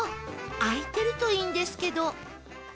開いてるといいんですけど